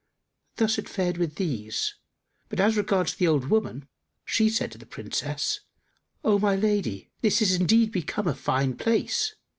Thus it fared with these; but as regards the old woman, she said to the Princess, "O my lady, this is indeed become a fine place!